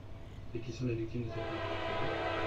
Et qui sont les victimes de cette noire perfidie ?